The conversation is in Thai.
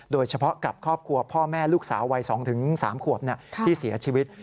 โดยเฉพาะกับครอบครัวพ่อแม่ลูกสาววัย๒๓ขวบที่เสียชีวิต